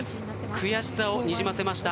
悔しさをにじませました。